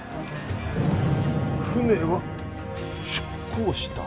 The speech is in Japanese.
船は出港した。